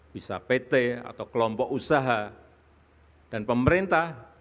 bisa pt atau kelompok usaha dan pemerintah